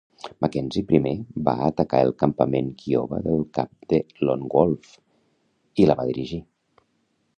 Mackenzie primer va atacar el campament Kiowa del cap de Lone Wolf i la va dirigir.